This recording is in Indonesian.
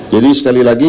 jadi sekali lagi